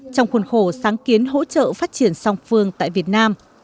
trong khuôn khổ sáng kiến hỗ trợ phát triển song phương tại việt nam